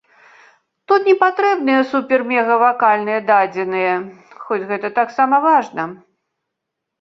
Тут не патрэбныя супермегавакальныя дадзеныя, хоць гэта таксама важна.